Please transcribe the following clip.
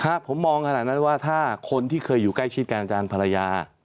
ครับผมมองขนาดนั้นว่าถ้าคนที่เคยอยู่ใกล้ชิดการจานภรรยา